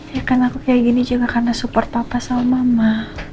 ya kan aku kayak gini juga karena support papa sama mama